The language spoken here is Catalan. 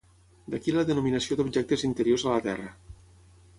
D'aquí la denominació d'objectes interiors a la Terra.